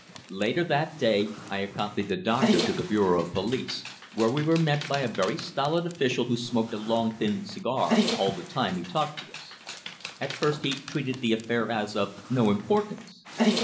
Later that day I accompanied the doctor to the Bureau of Police, where we were met by a very stolid official who smoked a long thin cigar all the time he talked to us. At first he treated the affair as of no importance.